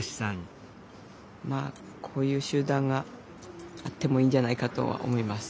まあこういう集団があってもいいんじゃないかとは思います。